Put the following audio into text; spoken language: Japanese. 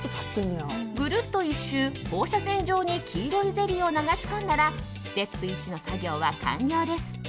ぐるっと１周、放射線状に黄色いゼリーを流し込んだらステップ１の作業は完了です。